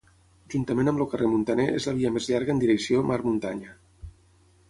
Juntament amb el Carrer Muntaner és la via més llarga en direcció mar-muntanya.